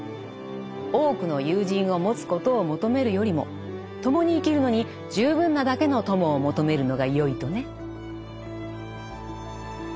多くの友人を持つことを求めるよりも共に生きるのに十分なだけの友を求めるのがよいとね。